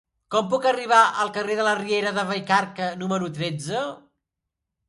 Com puc arribar al carrer de la Riera de Vallcarca número tretze?